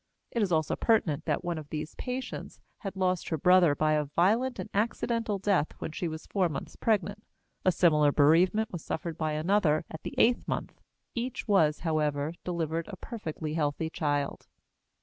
It is also pertinent that one of these patients had lost her brother by a violent and accidental death when she was four months pregnant; a similar bereavement was suffered by another at the eighth month; each was, however, delivered of a perfectly healthy child.